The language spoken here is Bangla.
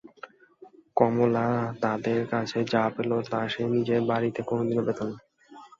কমলা তাদের কাছে যা পেল তা সে নিজের বাড়িতে কোনোদিন পেত না।